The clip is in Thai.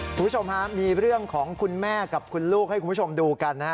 คุณผู้ชมฮะมีเรื่องของคุณแม่กับคุณลูกให้คุณผู้ชมดูกันนะฮะ